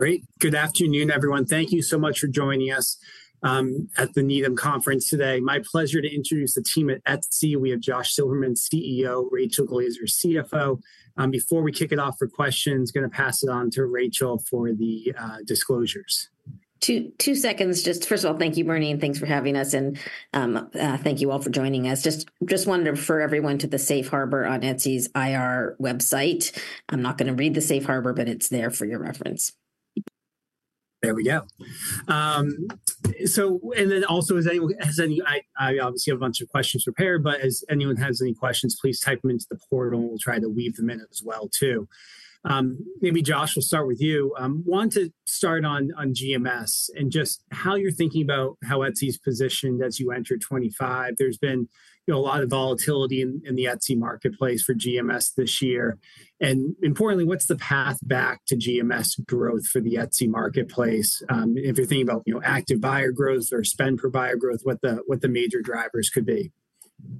Great. Good afternoon, everyone. Thank you so much for joining us at the Needham Conference today. My pleasure to introduce the team at Etsy. We have Josh Silverman, CEO. Rachel Glaser as our CFO. Before we kick it off for questions, I'm going to pass it on to Rachel for the disclosures. Two seconds. Just, first of all, thank you, Bernie, and thanks for having us. And thank you all for joining us. Just wanted to refer everyone to the Safe Harbor on Etsy's IR website. I'm not going to read the Safe Harbor, but it's there for your reference. There we go. So and then also, has anyone, I obviously have a bunch of questions prepared, but if anyone has any questions, please type them into the portal. We'll try to weave them in as well, too. Maybe Josh, we'll start with you. I want to start on GMS and just how you're thinking about how Etsy's positioned as you enter 2025. There's been a lot of volatility in the Etsy marketplace for GMS this year. Importantly, what's the path back to GMS growth for the Etsy marketplace? If you're thinking about active buyer growth or spend per buyer growth, what the major drivers could be?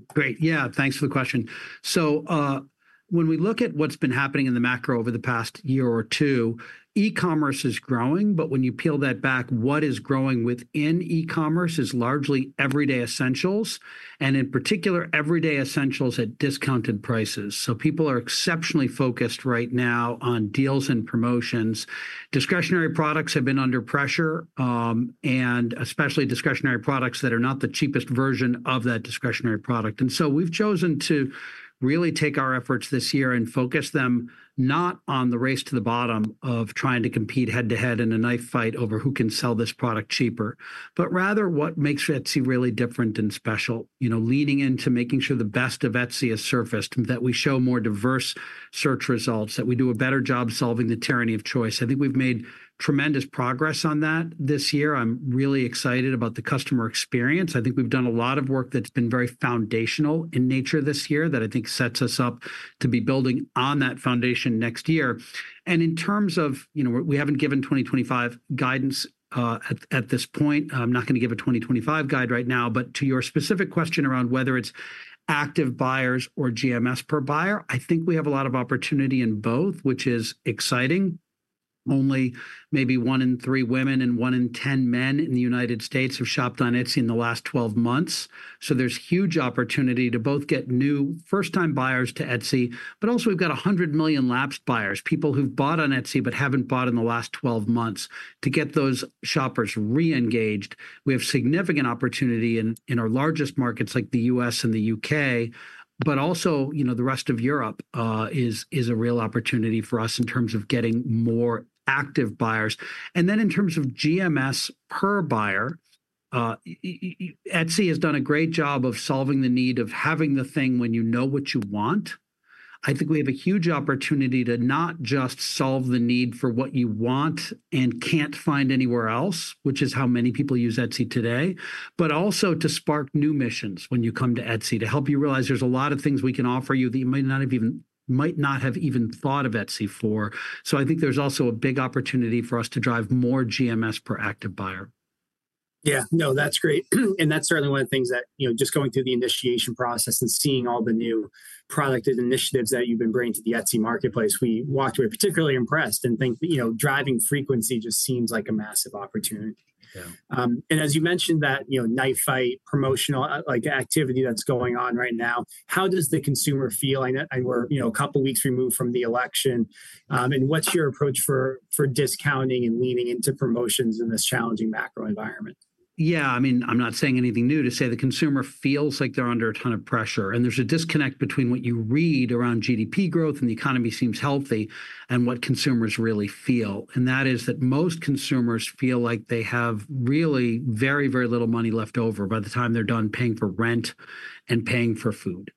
Great. Yeah, thanks for the question. So when we look at what's been happening in the macro over the past year or two, e-commerce is growing. But when you peel that back, what is growing within e-commerce is largely everyday essentials, and in particular, everyday essentials at discounted prices. So people are exceptionally focused right now on deals and promotions. Discretionary products have been under pressure, and especially discretionary products that are not the cheapest version of that discretionary product. And so we've chosen to really take our efforts this year and focus them not on the race to the bottom of trying to compete head-to-head in a knife fight over who can sell this product cheaper, but rather what makes Etsy really different and special, leaning into making sure the best of Etsy is surfaced, that we show more diverse search results, that we do a better job solving the tyranny of choice. I think we've made tremendous progress on that this year. I'm really excited about the customer experience. I think we've done a lot of work that's been very foundational in nature this year that I think sets us up to be building on that foundation next year. And in terms of, we haven't given 2025 guidance at this point. I'm not going to give a 2025 guide right now. But to your specific question around whether it's active buyers or GMS per buyer, I think we have a lot of opportunity in both, which is exciting. Only maybe one in three women and one in ten men in the United States have shopped on Etsy in the last 12 months. So there's huge opportunity to both get new first-time buyers to Etsy, but also we've got 100 million lapsed buyers, people who've bought on Etsy but haven't bought in the last 12 months. To get those shoppers re-engaged, we have significant opportunity in our largest markets like the U.S. and the U.K., but also the rest of Europe is a real opportunity for us in terms of getting more active buyers. And then in terms of GMS per buyer, Etsy has done a great job of solving the need of having the thing when you know what you want. I think we have a huge opportunity to not just solve the need for what you want and can't find anywhere else, which is how many people use Etsy today, but also to spark new missions when you come to Etsy to help you realize there's a lot of things we can offer you that you might not have even thought of Etsy for. So I think there's also a big opportunity for us to drive more GMS per active buyer. Yeah, no, that's great, and that's certainly one of the things that just going through the initiation process and seeing all the new product initiatives that you've been bringing to the Etsy marketplace, we walked away particularly impressed and think driving frequency just seems like a massive opportunity, and as you mentioned that knife fight promotional activity that's going on right now, how does the consumer feel? I know we're a couple of weeks removed from the election, and what's your approach for discounting and leaning into promotions in this challenging macro environment? Yeah, I mean, I'm not saying anything new to say the consumer feels like they're under a ton of pressure. And there's a disconnect between what you read around GDP growth and the economy seems healthy and what consumers really feel. And that is that most consumers feel like they have really very, very little money left over by the time they're done paying for rent and paying for food.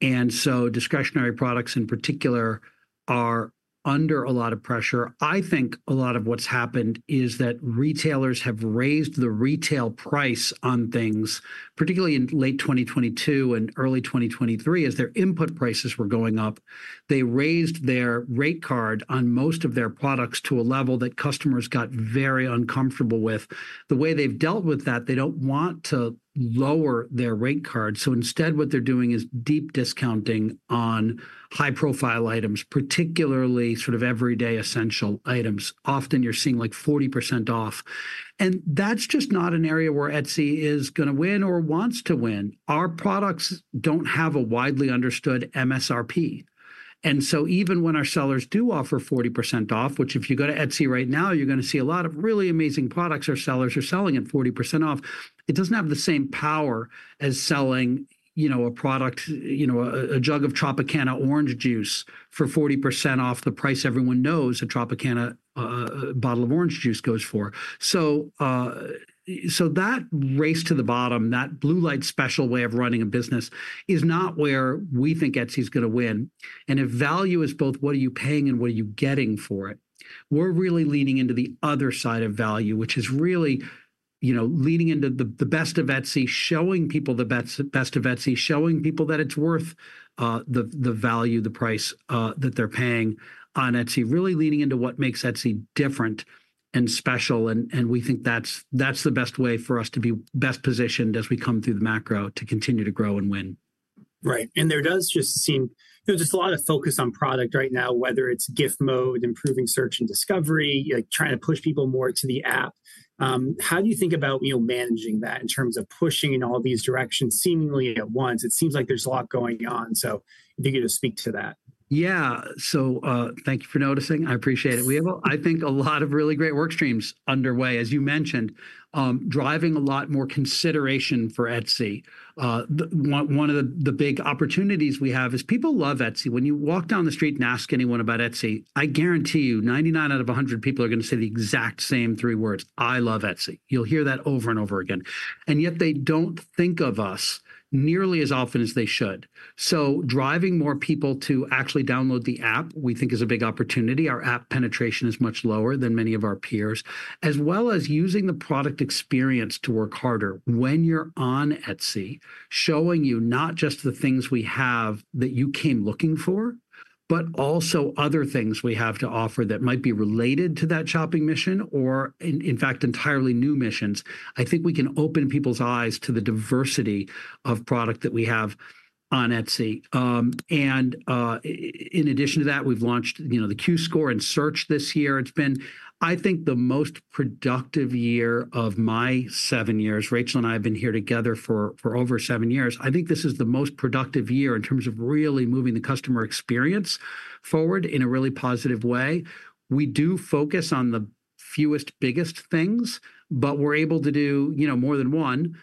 And so discretionary products in particular are under a lot of pressure. I think a lot of what's happened is that retailers have raised the retail price on things, particularly in late 2022 and early 2023, as their input prices were going up. They raised their rate card on most of their products to a level that customers got very uncomfortable with. The way they've dealt with that, they don't want to lower their rate card. So instead, what they're doing is deep discounting on high-profile items, particularly sort of everyday essential items. Often you're seeing like 40% off. And that's just not an area where Etsy is going to win or wants to win. Our products don't have a widely understood MSRP. And so even when our sellers do offer 40% off, which if you go to Etsy right now, you're going to see a lot of really amazing products our sellers are selling at 40% off, it doesn't have the same power as selling a product, a jug of Tropicana orange juice for 40% off the price everyone knows a Tropicana bottle of orange juice goes for. So that race to the bottom, that blue light special way of running a business is not where we think Etsy's going to win. And if value is both what are you paying and what are you getting for it, we're really leaning into the other side of value, which is really leaning into the best of Etsy, showing people the best of Etsy, showing people that it's worth the value, the price that they're paying on Etsy, really leaning into what makes Etsy different and special. And we think that's the best way for us to be best positioned as we come through the macro to continue to grow and win. Right, and there just seems to be a lot of focus on product right now, whether it's Gift Mode, improving search and discovery, trying to push people more to the app. How do you think about managing that in terms of pushing in all these directions seemingly at once? It seems like there's a lot going on, so if you could just speak to that. Yeah, so thank you for noticing. I appreciate it. We have, I think, a lot of really great work streams underway, as you mentioned, driving a lot more consideration for Etsy. One of the big opportunities we have is people love Etsy. When you walk down the street and ask anyone about Etsy, I guarantee you 99 out of 100 people are going to say the exact same three words, I love Etsy. You'll hear that over and over again. And yet they don't think of us nearly as often as they should, so driving more people to actually download the app, we think, is a big opportunity. Our app penetration is much lower than many of our peers, as well as using the product experience to work harder when you're on Etsy, showing you not just the things we have that you came looking for, but also other things we have to offer that might be related to that shopping mission or, in fact, entirely new missions. I think we can open people's eyes to the diversity of product that we have on Etsy. In addition to that, we've launched the Q-Score in search this year. It's been, I think, the most productive year of my seven years. Rachel and I have been here together for over seven years. I think this is the most productive year in terms of really moving the customer experience forward in a really positive way. We do focus on the fewest biggest things, but we're able to do more than one.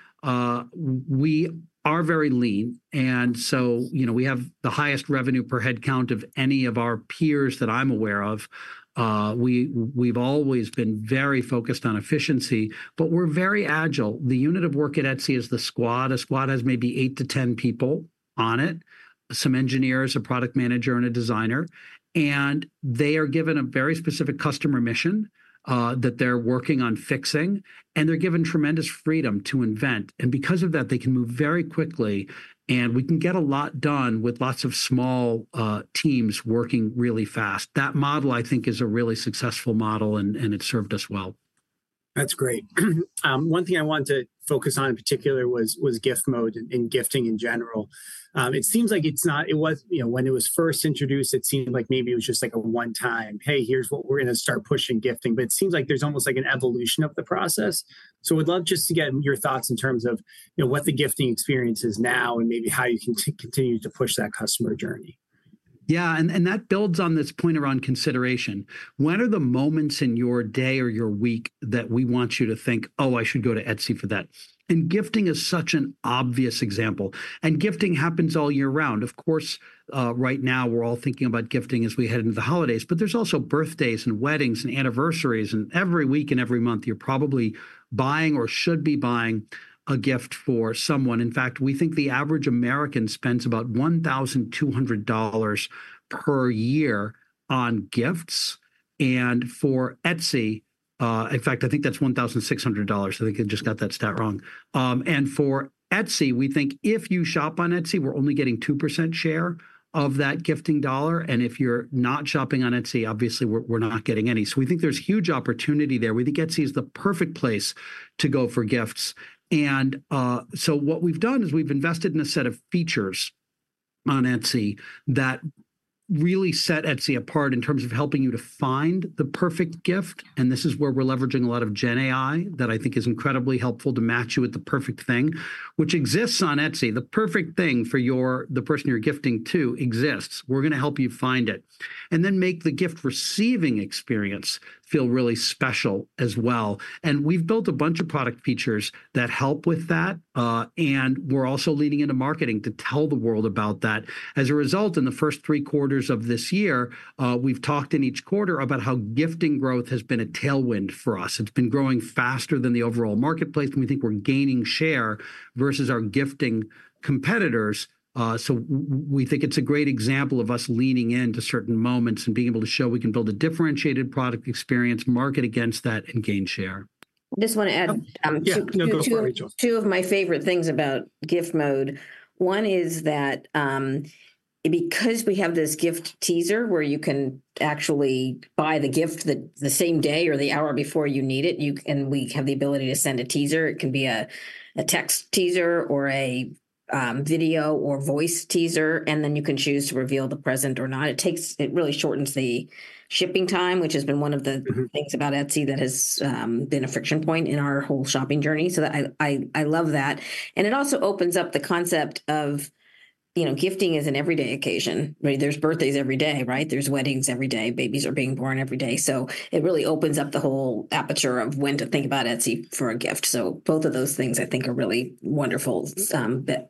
We are very lean, and so we have the highest revenue per head count of any of our peers that I'm aware of. We've always been very focused on efficiency, but we're very agile. The unit of work at Etsy is the squad. A squad has maybe eight to 10 people on it, some engineers, a product manager, and a designer, and they are given a very specific customer mission that they're working on fixing, and they're given tremendous freedom to invent, and because of that, they can move very quickly, and we can get a lot done with lots of small teams working really fast. That model, I think, is a really successful model, and it's served us well. That's great. One thing I wanted to focus on in particular was Gift Mode and gifting in general. It seems like it's not when it was first introduced, it seemed like maybe it was just like a one-time, hey, here's what we're going to start pushing gifting. But it seems like there's almost like an evolution of the process. So I would love just to get your thoughts in terms of what the gifting experience is now and maybe how you can continue to push that customer journey. Yeah. And that builds on this point around consideration. When are the moments in your day or your week that we want you to think, oh, I should go to Etsy for that? And gifting is such an obvious example. And gifting happens all year round. Of course, right now, we're all thinking about gifting as we head into the holidays, but there's also birthdays and weddings and anniversaries. And every week and every month, you're probably buying or should be buying a gift for someone. In fact, we think the average American spends about $1,200 per year on gifts. And for Etsy, in fact, I think that's $1,600. I think I just got that stat wrong. And for Etsy, we think if you shop on Etsy, we're only getting 2% share of that gifting dollar. And if you're not shopping on Etsy, obviously, we're not getting any. We think there's huge opportunity there. We think Etsy is the perfect place to go for gifts. And so what we've done is we've invested in a set of features on Etsy that really set Etsy apart in terms of helping you to find the perfect gift. And this is where we're leveraging a lot of GenAI that I think is incredibly helpful to match you with the perfect thing, which exists on Etsy. The perfect thing for the person you're gifting to exists. We're going to help you find it and then make the gift receiving experience feel really special as well. And we've built a bunch of product features that help with that. And we're also leaning into marketing to tell the world about that. As a result, in the first three quarters of this year, we've talked in each quarter about how gifting growth has been a tailwind for us. It's been growing faster than the overall marketplace. We think we're gaining share versus our gifting competitors. So we think it's a great example of us leaning into certain moments and being able to show we can build a differentiated product experience, market against that, and gain share. I just want to add two of my favorite things about Gift Mode. One is that because we have this gift teaser where you can actually buy the gift the same day or the hour before you need it, and we have the ability to send a teaser. It can be a text teaser or a video or voice teaser, and then you can choose to reveal the present or not. It really shortens the shipping time, which has been one of the things about Etsy that has been a friction point in our whole shopping journey. So I love that. And it also opens up the concept of gifting as an everyday occasion. There's birthdays every day, right? There's weddings every day. Babies are being born every day. So it really opens up the whole aperture of when to think about Etsy for a gift. So both of those things, I think, are really wonderful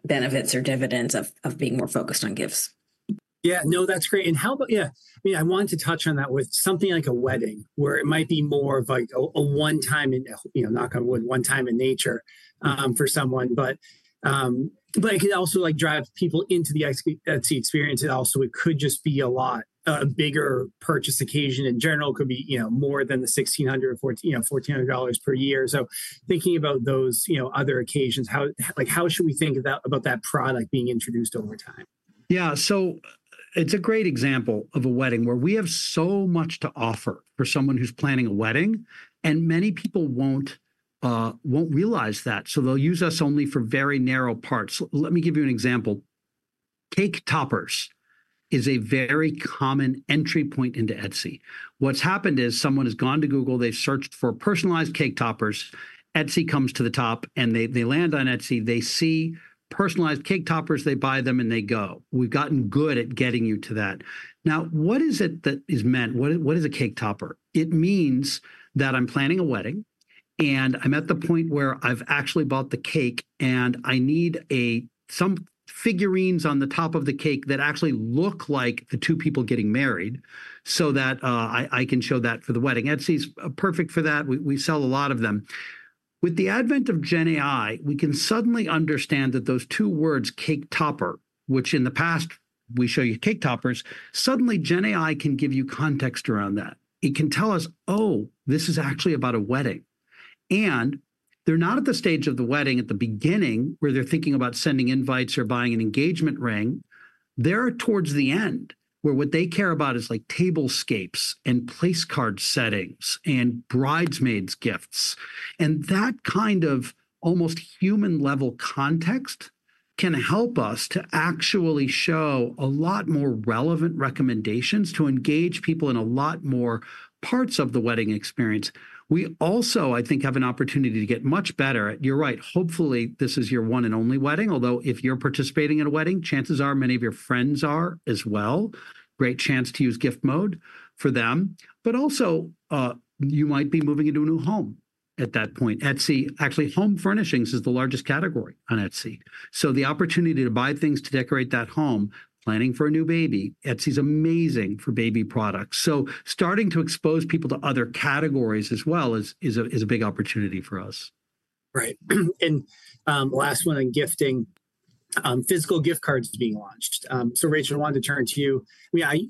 benefits or dividends of being more focused on gifts. Yeah. Now, that's great. And yeah, I wanted to touch on that with something like a wedding where it might be more of a one-time, knock on wood, one-time in nature for someone. But it can also drive people into the Etsy experience. It also could just be a lot bigger purchase occasion in general. It could be more than the $1,600 or $1,400 per year. So thinking about those other occasions, how should we think about that product being introduced over time? Yeah. So it's a great example of a wedding where we have so much to offer for someone who's planning a wedding, and many people won't realize that. So they'll use us only for very narrow parts. Let me give you an example. Cake toppers is a very common entry point into Etsy. What's happened is someone has gone to Google. They've searched for personalized cake toppers. Etsy comes to the top, and they land on Etsy. They see personalized cake toppers. They buy them, and they go. We've gotten good at getting you to that. Now, what is it that is meant? What is a cake topper? It means that I'm planning a wedding, and I'm at the point where I've actually bought the cake, and I need some figurines on the top of the cake that actually look like the two people getting married so that I can show that for the wedding. Etsy is perfect for that. We sell a lot of them. With the advent of GenAI, we can suddenly understand that those two words, cake topper, which in the past, we show you cake toppers, suddenly GenAI can give you context around that. It can tell us, oh, this is actually about a wedding, and they're not at the stage of the wedding at the beginning where they're thinking about sending invites or buying an engagement ring. They're towards the end where what they care about is tablescapes and place card settings and bridesmaids' gifts. That kind of almost human-level context can help us to actually show a lot more relevant recommendations to engage people in a lot more parts of the wedding experience. We also, I think, have an opportunity to get much better at, you're right, hopefully, this is your one and only wedding, although if you're participating in a wedding, chances are many of your friends are as well. Great chance to use Gift Mode for them. But also, you might be moving into a new home at that point. Actually, home furnishings is the largest category on Etsy. So the opportunity to buy things to decorate that home, planning for a new baby, Etsy is amazing for baby products. So starting to expose people to other categories as well is a big opportunity for us. Right, and last one on gifting, physical gift cards are being launched. So, Rachel, I wanted to turn to you.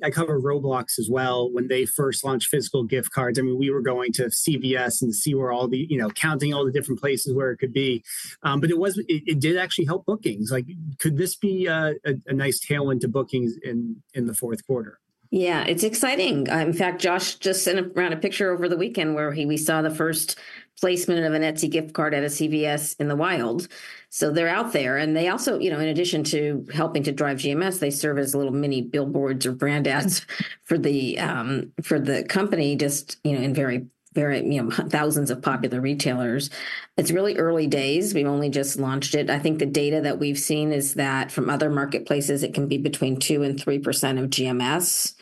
I cover Roblox as well. When they first launched physical gift cards, I mean, we were going to CVS and seeing all the different places where it could be. But it did actually help bookings. Could this be a nice tailwind to bookings in the fourth quarter? Yeah. It's exciting. In fact, Josh just sent around a picture over the weekend where we saw the first placement of an Etsy gift card at a CVS in the wild. So they're out there. And they also, in addition to helping to drive GMS, they serve as little mini billboards or brand ads for the company just in thousands of popular retailers. It's really early days. We've only just launched it. I think the data that we've seen is that from other marketplaces, it can be between 2%-3% of GMS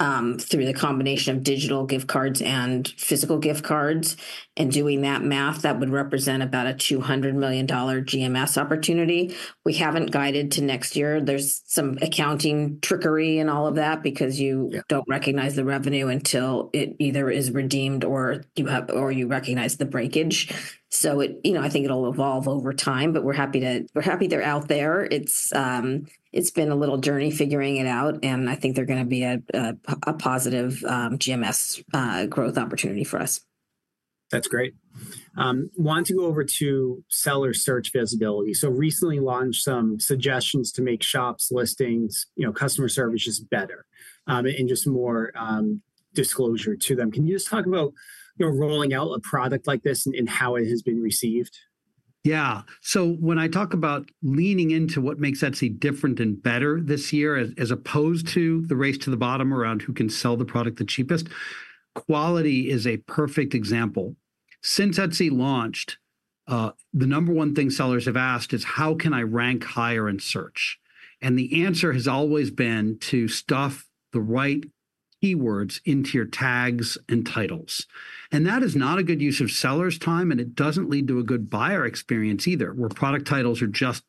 through the combination of digital gift cards and physical gift cards. And doing that math, that would represent about a $200 million GMS opportunity. We haven't guided to next year. There's some accounting trickery in all of that because you don't recognize the revenue until it either is redeemed or you recognize the breakage. So I think it'll evolve over time, but we're happy they're out there. It's been a little journey figuring it out. And I think they're going to be a positive GMS growth opportunity for us. That's great. I want to go over to seller search visibility. So recently launched some suggestions to make shops, listings, customer services better and just more disclosure to them. Can you just talk about rolling out a product like this and how it has been received? Yeah, so when I talk about leaning into what makes Etsy different and better this year as opposed to the race to the bottom around who can sell the product the cheapest, quality is a perfect example. Since Etsy launched, the number one thing sellers have asked is, how can I rank higher in search?, and the answer has always been to stuff the right keywords into your tags and titles, and that is not a good use of seller's time, and it doesn't lead to a good buyer experience either where product titles are just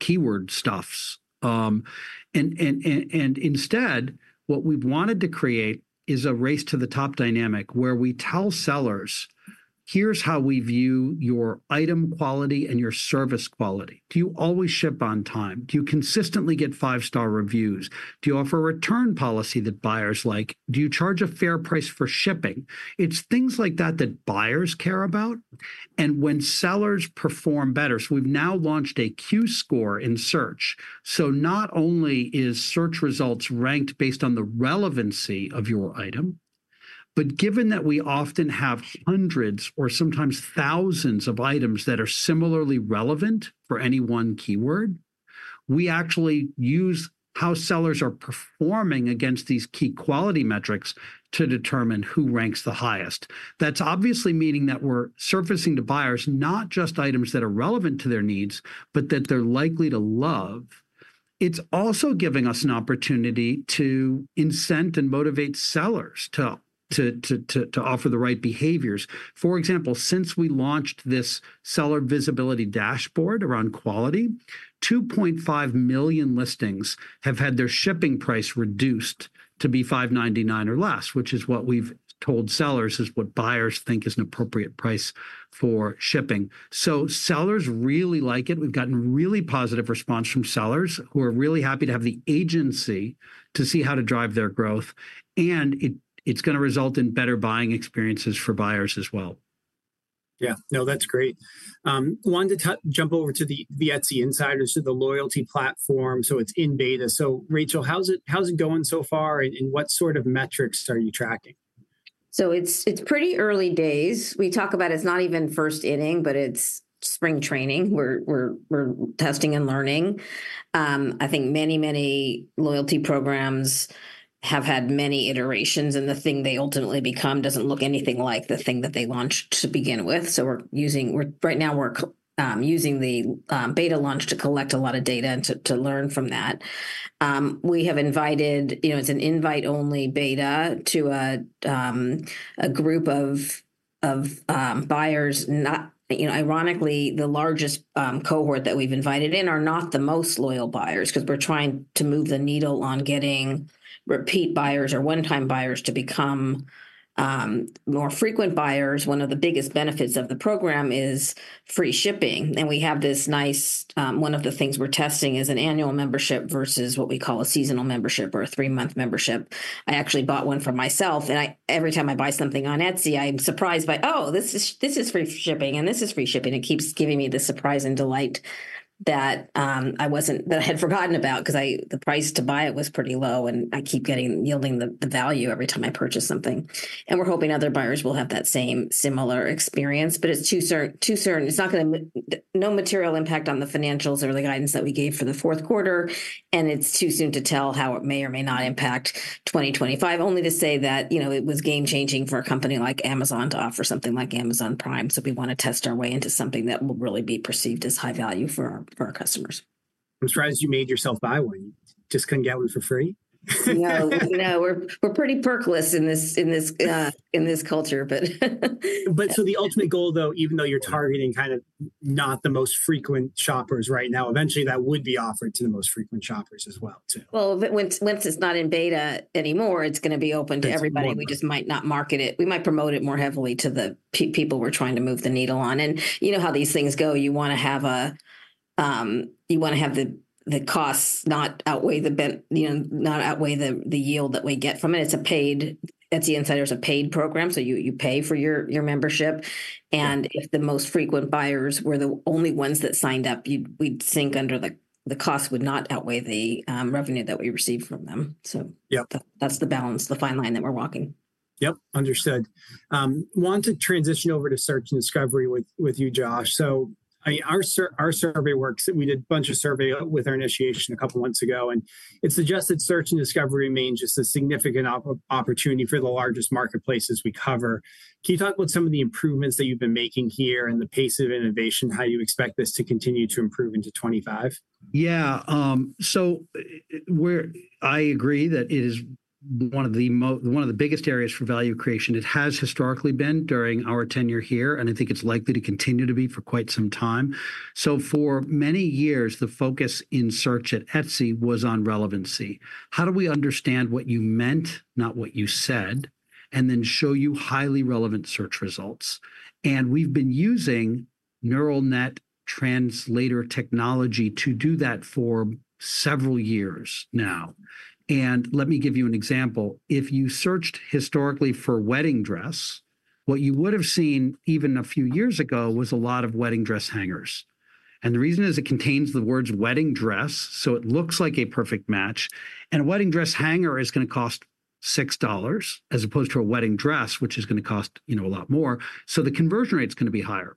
keyword-stuffed. And instead, what we've wanted to create is a race to the top dynamic where we tell sellers, here's how we view your item quality and your service quality. Do you always ship on time? Do you consistently get five-star reviews? Do you offer a return policy that buyers like? Do you charge a fair price for shipping? It's things like that that buyers care about, and when sellers perform better, so we've now launched a Q-Score in search, so not only is search results ranked based on the relevancy of your item, but given that we often have hundreds or sometimes thousands of items that are similarly relevant for any one keyword, we actually use how sellers are performing against these key quality metrics to determine who ranks the highest. That's obviously meaning that we're surfacing to buyers not just items that are relevant to their needs, but that they're likely to love. It's also giving us an opportunity to incent and motivate sellers to offer the right behaviors. For example, since we launched this seller visibility dashboard around quality, 2.5 million listings have had their shipping price reduced to be $5.99 or less, which is what we've told sellers is what buyers think is an appropriate price for shipping. So sellers really like it. We've gotten really positive response from sellers who are really happy to have the agency to see how to drive their growth. And it's going to result in better buying experiences for buyers as well. Yeah. No, that's great. I wanted to jump over to the Etsy Insider, to the loyalty platform. So it's in beta. So Rachel, how's it going so far, and what sort of metrics are you tracking? It's pretty early days. We talk about it's not even first inning, but it's spring training. We're testing and learning. I think many, many loyalty programs have had many iterations, and the thing they ultimately become doesn't look anything like the thing that they launched to begin with. Right now, we're using the beta launch to collect a lot of data and to learn from that. We have invited. It's an invite-only beta to a group of buyers. Ironically, the largest cohort that we've invited in are not the most loyal buyers because we're trying to move the needle on getting repeat buyers or one-time buyers to become more frequent buyers. One of the biggest benefits of the program is free shipping. We have this nice one. One of the things we're testing is an annual membership versus what we call a seasonal membership or a three-month membership. I actually bought one for myself. And every time I buy something on Etsy, I'm surprised by, oh, this is free shipping, and this is free shipping. It keeps giving me the surprise and delight that I had forgotten about because the price to buy it was pretty low, and I keep yielding the value every time I purchase something. And we're hoping other buyers will have that same similar experience. But it's too soon. It's not going to have no material impact on the financials or the guidance that we gave for the fourth quarter. And it's too soon to tell how it may or may not impact 2025, only to say that it was game-changing for a company like Amazon to offer something like Amazon Prime, to the loyalty platform. So we want to test our way into something that will really be perceived as high value for our customers. I'm surprised you made yourself buy one. You just couldn't get one for free? No. We're pretty perkless in this culture, but. But so the ultimate goal, though, even though you're targeting kind of not the most frequent shoppers right now, eventually, that would be offered to the most frequent shoppers as well, too. Once it's not in beta anymore, it's going to be open to everybody. We just might not market it. We might promote it more heavily to the people we're trying to move the needle on. You know how these things go. You want to have the costs not outweigh the yield that we get from it. Etsy Insider is a paid program, so you pay for your membership. If the most frequent buyers were the only ones that signed up, we'd sink under the cost that would not outweigh the revenue that we received from them. That's the balance, the fine line that we're walking. Yep. Understood. I want to transition over to search and discovery with you, Josh, so our survey work. We did a bunch of survey work with our initiation a couple of months ago, and it suggests that search and discovery remains just a significant opportunity for the largest marketplaces we cover. Can you talk about some of the improvements that you've been making here and the pace of innovation? How do you expect this to continue to improve into 2025? Yeah. So I agree that it is one of the biggest areas for value creation. It has historically been during our tenure here, and I think it's likely to continue to be for quite some time. So for many years, the focus in search at Etsy was on relevancy. How do we understand what you meant, not what you said, and then show you highly relevant search results? And we've been using neural net translator technology to do that for several years now. And let me give you an example. If you searched historically for wedding dress, what you would have seen even a few years ago was a lot of wedding dress hangers. And the reason is it contains the words wedding dress, so it looks like a perfect match. A wedding dress hanger is going to cost $6 as opposed to a wedding dress, which is going to cost a lot more. The conversion rate's going to be higher.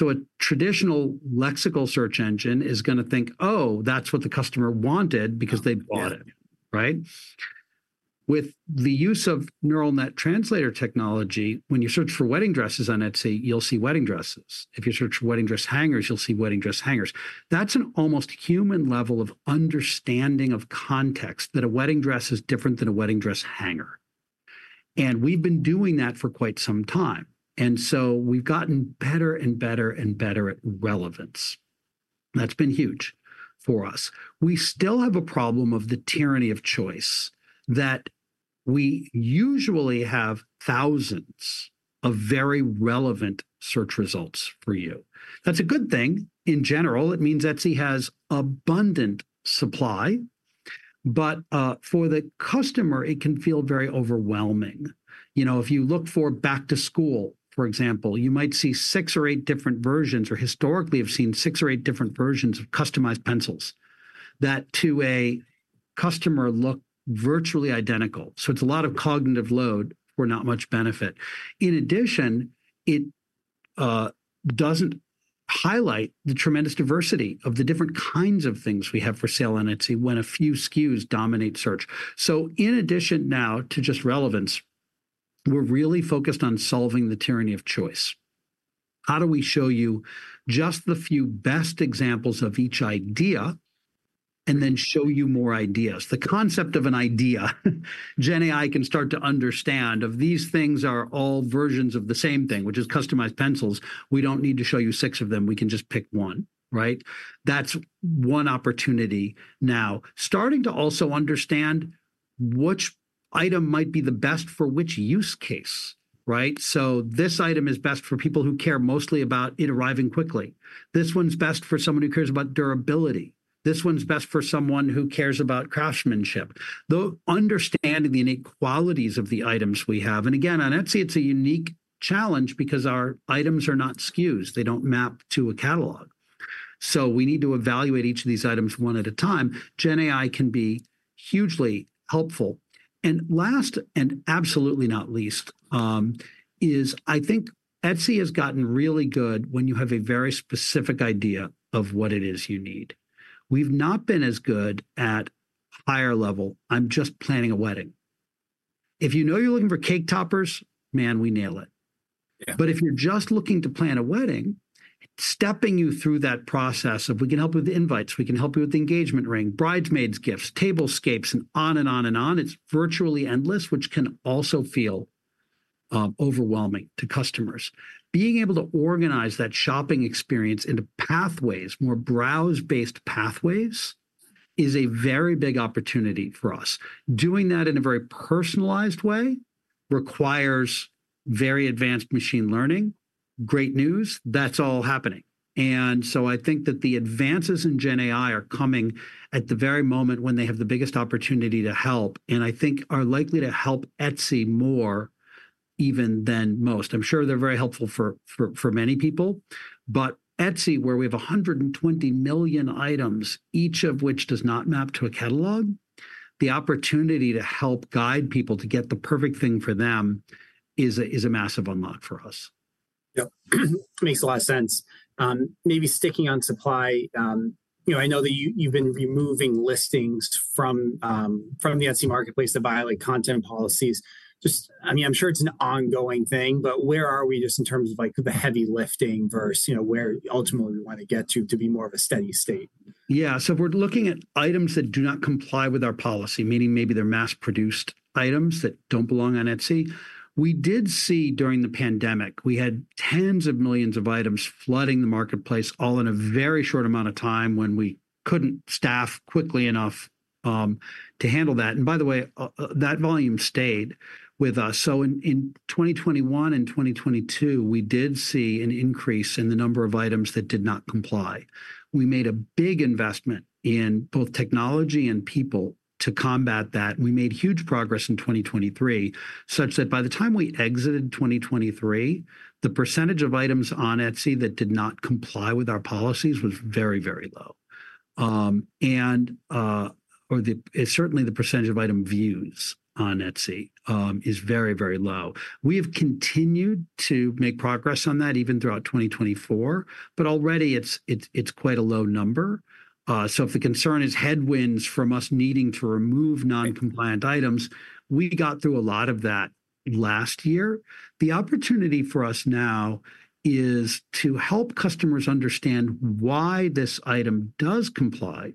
A traditional lexical search engine is going to think, oh, that's what the customer wanted because they bought it, right? With the use of neural net translator technology, when you search for wedding dresses on Etsy, you'll see wedding dresses. If you search for wedding dress hangers, you'll see wedding dress hangers. That's an almost human level of understanding of context that a wedding dress is different than a wedding dress hanger. We've been doing that for quite some time. We've gotten better and better and better at relevance. That's been huge for us. We still have a problem of the tyranny of choice that we usually have thousands of very relevant search results for you. That's a good thing. In general, it means Etsy has abundant supply. But for the customer, it can feel very overwhelming. If you look for back to school, for example, you might see six or eight different versions or historically have seen six or eight different versions of customized pencils that to a customer look virtually identical. So it's a lot of cognitive load for not much benefit. In addition, it doesn't highlight the tremendous diversity of the different kinds of things we have for sale on Etsy when a few SKUs dominate search. So in addition now to just relevance, we're really focused on solving the tyranny of choice. How do we show you just the few best examples of each idea and then show you more ideas? The concept of an idea, GenAI can start to understand if these things are all versions of the same thing, which is customized pencils. We don't need to show you six of them. We can just pick one, right? That's one opportunity now. Starting to also understand which item might be the best for which use case, right? So this item is best for people who care mostly about it arriving quickly. This one's best for someone who cares about durability. This one's best for someone who cares about craftsmanship. Understanding the unique qualities of the items we have. And again, on Etsy, it's a unique challenge because our items are not SKUs. They don't map to a catalog. We need to evaluate each of these items one at a time. GenAI can be hugely helpful. Last, and absolutely not least, is I think Etsy has gotten really good when you have a very specific idea of what it is you need. We've not been as good at higher level. I'm just planning a wedding. If you know you're looking for cake toppers, man, we nail it. But if you're just looking to plan a wedding, stepping you through that process of we can help you with invites, we can help you with the engagement ring, bridesmaids' gifts, tablescapes, and on and on and on, it's virtually endless, which can also feel overwhelming to customers. Being able to organize that shopping experience into pathways, more browse-based pathways, is a very big opportunity for us. Doing that in a very personalized way requires very advanced machine learning. Great news. That's all happening, and so I think that the advances in GenAI are coming at the very moment when they have the biggest opportunity to help, and I think are likely to help Etsy more even than most. I'm sure they're very helpful for many people. But Etsy, where we have 120 million items, each of which does not map to a catalog, the opportunity to help guide people to get the perfect thing for them is a massive unlock for us. Yep. Makes a lot of sense. Maybe sticking on supply. I know that you've been removing listings from the Etsy marketplace that violate content policies. I mean, I'm sure it's an ongoing thing, but where are we just in terms of the heavy lifting versus where ultimately we want to get to be more of a steady state? Yeah. So if we're looking at items that do not comply with our policy, meaning maybe they're mass-produced items that don't belong on Etsy, we did see during the pandemic we had tens of millions of items flooding the marketplace all in a very short amount of time when we couldn't staff quickly enough to handle that, and by the way, that volume stayed with us, so in 2021 and 2022, we did see an increase in the number of items that did not comply. We made a big investment in both technology and people to combat that. We made huge progress in 2023, such that by the time we exited 2023, the percentage of items on Etsy that did not comply with our policies was very, very low, and certainly, the percentage of item views on Etsy is very, very low. We have continued to make progress on that even throughout 2024, but already it's quite a low number. So if the concern is headwinds from us needing to remove non-compliant items, we got through a lot of that last year. The opportunity for us now is to help customers understand why this item does comply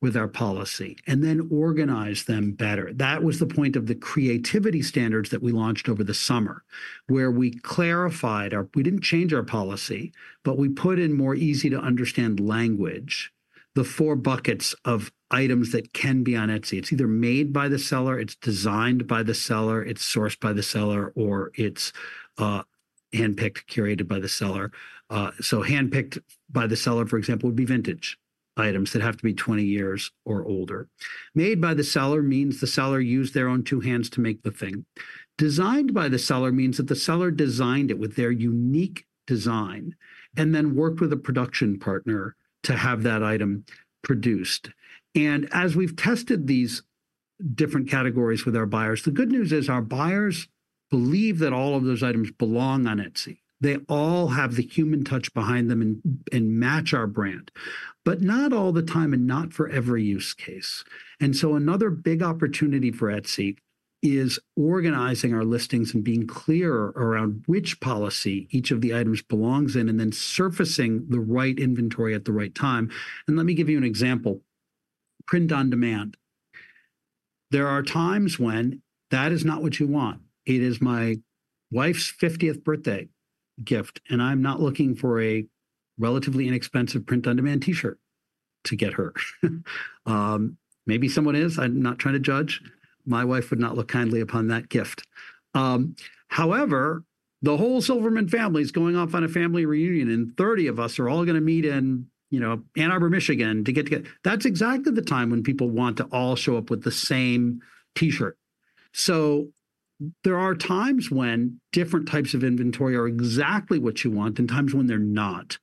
with our policy and then organize them better. That was the point of the Creativity Standards that we launched over the summer, where we clarified. We didn't change our policy, but we put in more easy-to-understand language, the four buckets of items that can be on Etsy. It's either made by the seller, it's designed by the seller, it's sourced by the seller, or it's handpicked, curated by the seller. So handpicked by the seller, for example, would be vintage items that have to be 20 years or older. Made by the seller means the seller used their own two hands to make the thing. Designed by the seller means that the seller designed it with their unique design and then worked with a production partner to have that item produced. And as we've tested these different categories with our buyers, the good news is our buyers believe that all of those items belong on Etsy. They all have the human touch behind them and match our brand, but not all the time and not for every use case. And so another big opportunity for Etsy is organizing our listings and being clearer around which policy each of the items belongs in and then surfacing the right inventory at the right time. And let me give you an example. Print on demand. There are times when that is not what you want. It is my wife's 50th birthday gift, and I'm not looking for a relatively inexpensive print-on-demand T-shirt to get her. Maybe someone is. I'm not trying to judge. My wife would not look kindly upon that gift. However, the whole Silverman family is going off on a family reunion, and 30 of us are all going to meet in Ann Arbor, Michigan, to get together. That's exactly the time when people want to all show up with the same T-shirt. So there are times when different types of inventory are exactly what you want and times when they're not.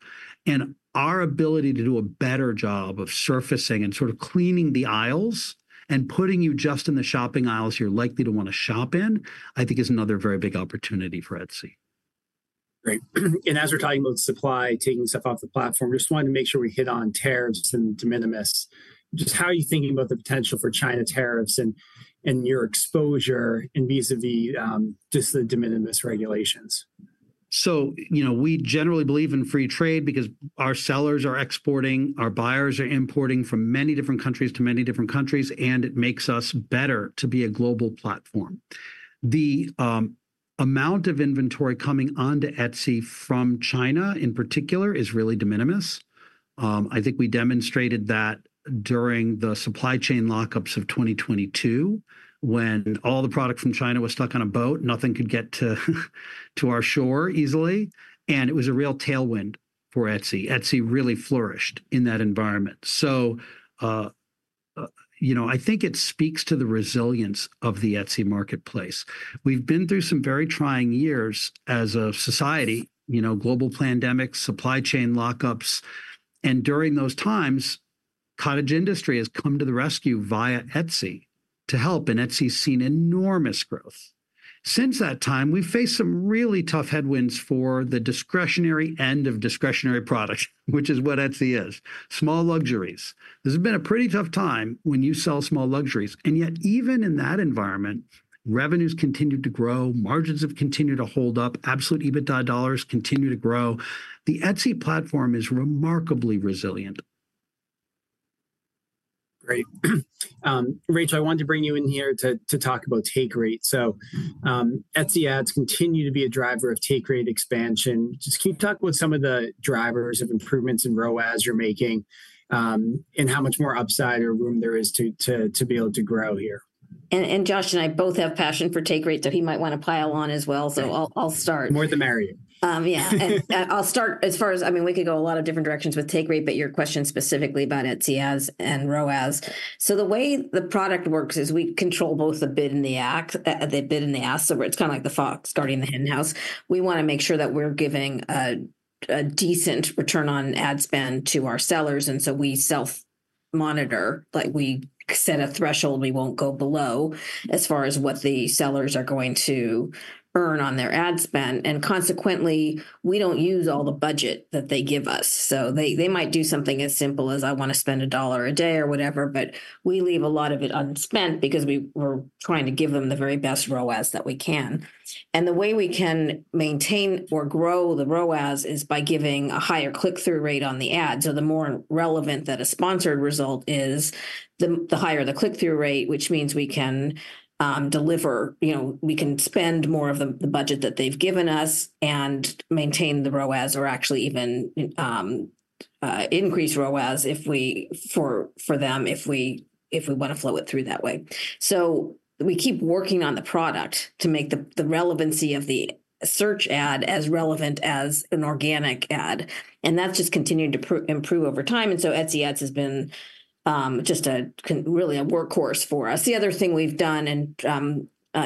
And our ability to do a better job of surfacing and sort of cleaning the aisles and putting you just in the shopping aisles you're likely to want to shop in, I think, is another very big opportunity for Etsy. Great. And as we're talking about supply taking stuff off the platform, just wanted to make sure we hit on tariffs and de minimis. Just how are you thinking about the potential for China tariffs and your exposure and vis-à-vis just the de minimis regulations? We generally believe in free trade because our sellers are exporting, our buyers are importing from many different countries to many different countries, and it makes us better to be a global platform. The amount of inventory coming onto Etsy from China in particular is really de minimis. I think we demonstrated that during the supply chain lockups of 2022, when all the product from China was stuck on a boat, nothing could get to our shore easily. It was a real tailwind for Etsy. Etsy really flourished in that environment. I think it speaks to the resilience of the Etsy marketplace. We've been through some very trying years as a society, global pandemics, supply chain lockups. During those times, cottage industry has come to the rescue via Etsy to help, and Etsy's seen enormous growth. Since that time, we've faced some really tough headwinds for the discretionary end of discretionary products, which is what Etsy is, small luxuries. This has been a pretty tough time when you sell small luxuries. And yet, even in that environment, revenues continue to grow, margins have continued to hold up, absolute EBITDA dollars continue to grow. The Etsy platform is remarkably resilient. Great. Rachel, I wanted to bring you in here to talk about take rate. So Etsy Ads continue to be a driver of take rate expansion. Just can you talk about some of the drivers of improvements in ROAS you're making and how much more upside or room there is to be able to grow here? And Josh and I both have passion for take rate that he might want to pile on as well. So I'll start. More the merrier. Yeah. I'll start as far as I mean, we could go a lot of different directions with take rate, but your question specifically about Etsy Ads and ROAS, so the way the product works is we control both the bid and the ask. The bid and the ask, it's kind of like the fox guarding the hen house. We want to make sure that we're giving a decent return on ad spend to our sellers, and so we self-monitor. We set a threshold we won't go below as far as what the sellers are going to earn on their Ad spend, and consequently, we don't use all the budget that they give us. They might do something as simple as, I want to spend $1 a day or whatever, but we leave a lot of it unspent because we're trying to give them the very best ROAS that we can. The way we can maintain or grow the ROAS is by giving a higher click-through rate on the Ad. The more relevant that a sponsored result is, the higher the click-through rate, which means we can deliver. We can spend more of the budget that they've given us and maintain the ROAS or actually even increase ROAS for them if we want to flow it through that way. We keep working on the product to make the relevancy of the search ad as relevant as an organic ad. That's just continuing to improve over time. Etsy Ads has been just really a workhorse for us. The other thing we've done and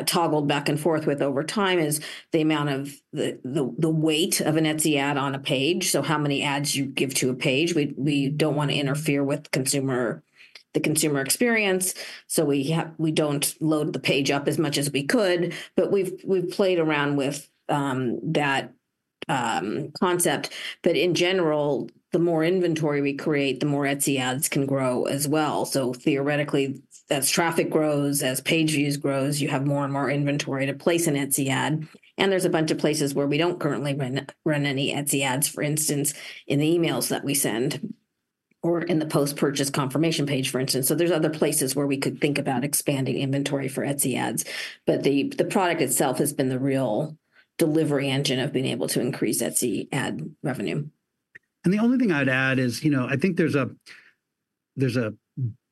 toggled back and forth with over time is the amount of the weight of an Etsy Ads on a page. So how many ads you give to a page. We don't want to interfere with the consumer experience. So we don't load the page up as much as we could. But we've played around with that concept that in general, the more inventory we create, the more Etsy Ads can grow as well. So theoretically, as traffic grows, as page views grows, you have more and more inventory to place an Etsy Ads. And there's a bunch of places where we don't currently run any Etsy Ads, for instance, in the emails that we send or in the post-purchase confirmation page, for instance. So there's other places where we could think about expanding inventory for Etsy Ads. But the product itself has been the real delivery engine of being able to increase Etsy Ad revenue. And the only thing I'd add is I think there's a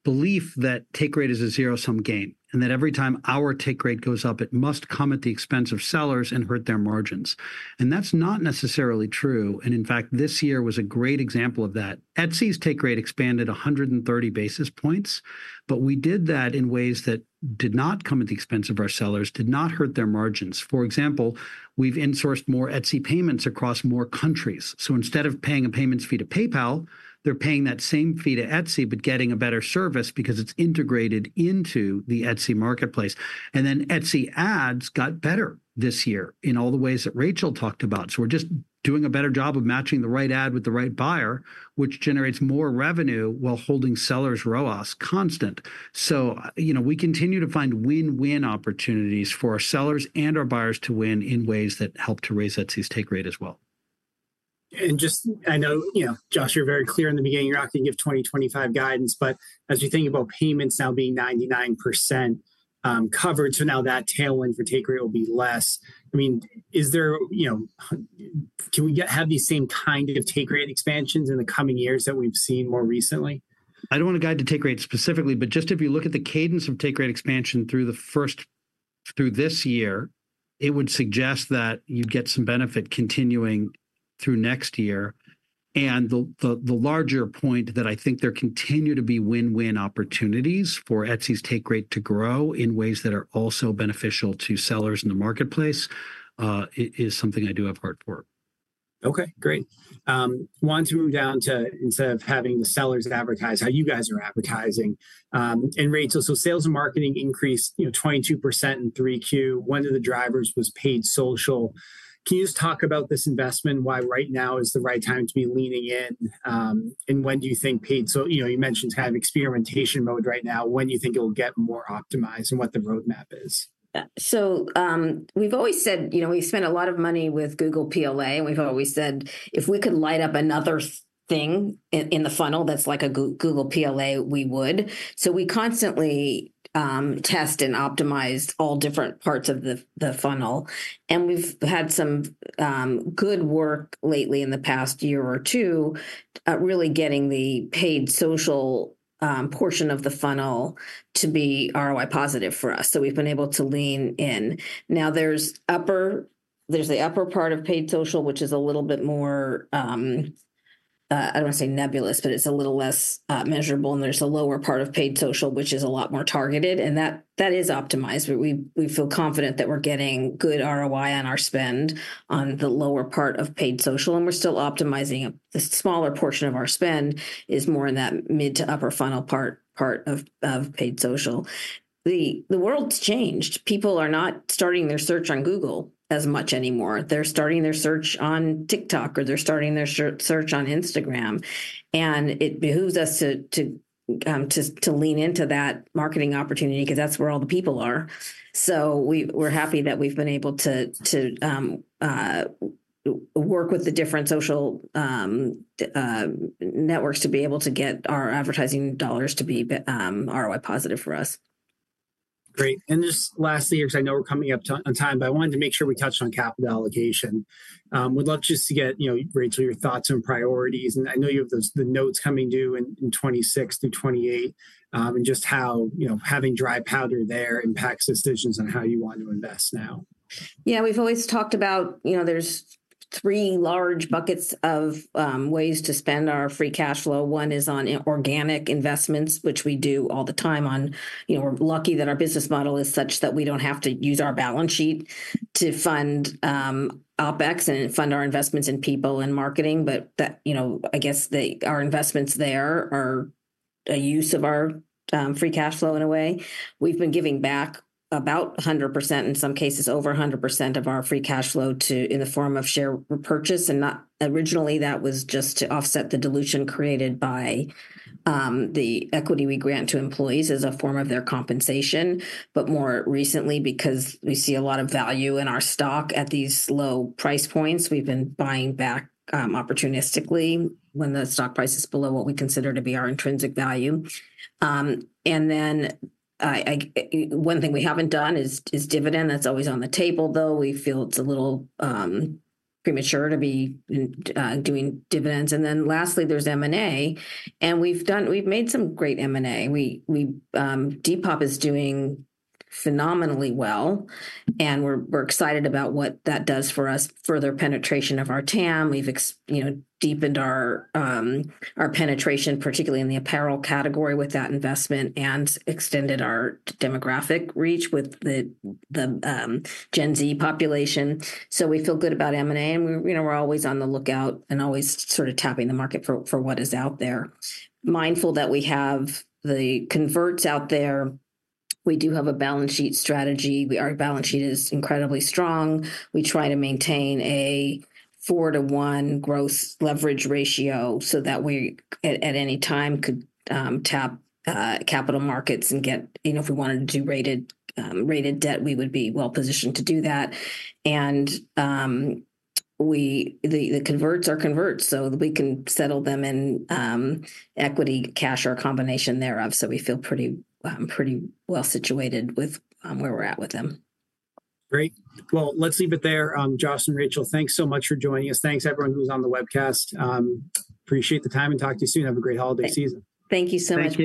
belief that take rate is a zero-sum game and that every time our take rate goes up, it must come at the expense of sellers and hurt their margins. And that's not necessarily true. And in fact, this year was a great example of that. Etsy's take rate expanded 130 basis points, but we did that in ways that did not come at the expense of our sellers, did not hurt their margins. For example, we've insourced more Etsy Payments across more countries. So instead of paying a payments fee to PayPal, they're paying that same fee to Etsy, but getting a better service because it's integrated into the Etsy marketplace. And then Etsy Ads got better this year in all the ways that Rachel talked about. So we're just doing a better job of matching the right ad with the right buyer, which generates more revenue while holding sellers' ROAS constant. So we continue to find win-win opportunities for our sellers and our buyers to win in ways that help to raise Etsy's take rate as well. And just, I know, Josh, you're very clear in the beginning. You're not going to give 2025 guidance, but as we think about payments now being 99% covered, so now that tailwind for take rate will be less. I mean, can we have these same kind of take rate expansions in the coming years that we've seen more recently? I don't want to guide to take rate specifically, but just if you look at the cadence of take rate expansion through this year, it would suggest that you'd get some benefit continuing through next year. And the larger point that I think there continue to be win-win opportunities for Etsy's take rate to grow in ways that are also beneficial to sellers in the marketplace is something I do have heart for. Okay. Great. Wanted to move down to instead of having the sellers advertise how you guys are advertising. And Rachel, so sales and marketing increased 22% in 3Q. One of the drivers was paid social. Can you just talk about this investment? Why right now is the right time to be leaning in? And when do you think paid social? You mentioned kind of experimentation mode right now. When do you think it will get more optimized and what the roadmap is? So we've always said we spend a lot of money with Google PLA. We've always said if we could light up another thing in the funnel that's like a Google PLA, we would. So we constantly test and optimize all different parts of the funnel. And we've had some good work lately in the past year or two really getting the paid social portion of the funnel to be ROI positive for us. So we've been able to lean in. Now there's the upper part of paid social, which is a little bit more, I don't want to say nebulous, but it's a little less measurable. And there's a lower part of paid social, which is a lot more targeted. And that is optimized. We feel confident that we're getting good ROI on our spend on the lower part of paid social. And we're still optimizing. The smaller portion of our spend is more in that mid to upper funnel part of paid social. The world's changed. People are not starting their search on Google as much anymore. They're starting their search on TikTok or they're starting their search on Instagram. And it behooves us to lean into that marketing opportunity because that's where all the people are. So we're happy that we've been able to work with the different social networks to be able to get our advertising dollars to be ROI positive for us. Great. And just lastly, because I know we're coming up on time, but I wanted to make sure we touched on capital allocation. We'd love just to get, Rachel, your thoughts on priorities. And I know you have the notes coming due in 2026 through 2028 and just how having dry powder there impacts decisions on how you want to invest now. Yeah. We've always talked about there's three large buckets of ways to spend our free cash flow. One is on organic investments, which we do all the time. We're lucky that our business model is such that we don't have to use our balance sheet to fund OpEx and fund our investments in people and marketing. But I guess our investments there are a use of our free cash flow in a way. We've been giving back about 100%, in some cases over 100% of our free cash flow in the form of share purchase. And originally, that was just to offset the dilution created by the equity we grant to employees as a form of their compensation. But more recently, because we see a lot of value in our stock at these low price points, we've been buying back opportunistically when the stock price is below what we consider to be our intrinsic value. And then one thing we haven't done is dividend. That's always on the table, though. We feel it's a little premature to be doing dividends. And then lastly, there's M&A. And we've made some great M&A. Depop is doing phenomenally well. And we're excited about what that does for us, further penetration of our TAM. We've deepened our penetration, particularly in the apparel category with that investment and extended our demographic reach with the Gen Z population. So we feel good about M&A. And we're always on the lookout and always sort of tapping the market for what is out there. Mindful that we have the converts out there. We do have a balance sheet strategy. Our balance sheet is incredibly strong. We try to maintain a 4:1 growth leverage ratio so that we at any time could tap capital markets and get, if we wanted to do rated debt, we would be well-positioned to do that. And the converts are converts. So we feel pretty well-situated with where we're at with them. Great. Well, let's leave it there. Josh and Rachel, thanks so much for joining us. Thanks, everyone who was on the webcast. Appreciate the time and talk to you soon. Have a great holiday season. Thank you so much.